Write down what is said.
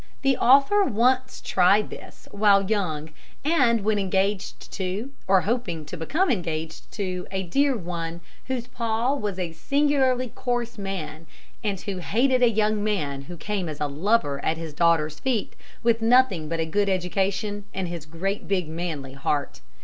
The author once tried this while young, and when engaged to, or hoping to become engaged to, a dear one whose pa was a singularly coarse man and who hated a young man who came as a lover at his daughter's feet with nothing but a good education and his great big manly heart.